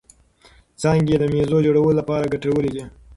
څانګې یې د مېزو جوړولو لپاره ګټورې دي.